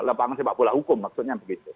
lapangan sepak bola hukum maksudnya begitu